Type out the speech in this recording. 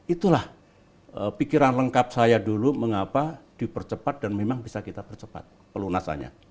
itulah pikiran lengkap saya dulu mengapa dipercepat dan memang bisa kita percepat pelunasannya